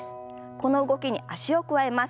この動きに脚を加えます。